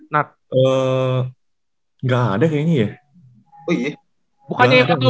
gak ada kayaknya ini ya